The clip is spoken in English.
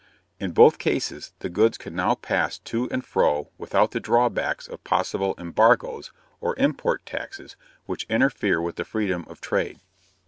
In both cases the goods can now pass to and fro without the drawbacks of possible embargoes or import taxes which interfere with the freedom of trade.